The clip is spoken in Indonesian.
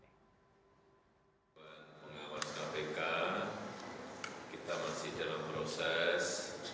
dewan pengawas kpk kita masih dalam proses